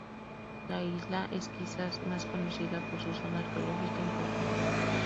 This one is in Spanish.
La isla es quizás más conocida por su zona arqueológica importante.